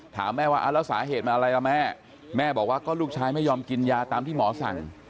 ถามแม่ว่าแล้วสาเหตุมาอะไรล่ะแม่แม่บอกว่าก็ลูกชายไม่ยอมกินยาตามที่หมอสั่ง